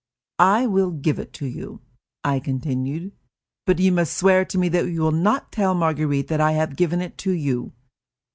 "I will give it to you," I continued, "but you must swear to me that you will not tell Marguerite that I have given it to you."